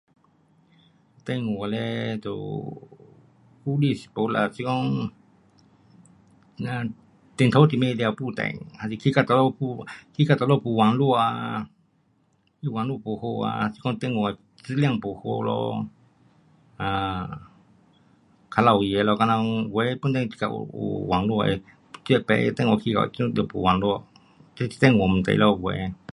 电话嘞就忽略是就没啦。是讲，电图很快就没电，还是去到哪里，去到哪里没网路啊，网路不好啊，是讲电话的质量不好咯，啊，靠牢围的好像有的本地是有网路的，等别的电话去了就没网路，这是电话问题了，有的。